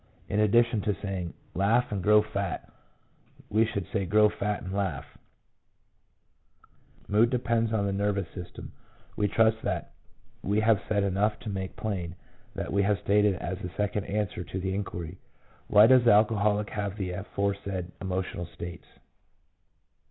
In addition to saying, " Laugh and grow fat," we should say " Grow fat and laugh "— mood depends on the nervous system. We trust that we have said enough to make plain what we have stated as the second answer to the inquiry, Why does the alcoholic have the aforesaid emotional states?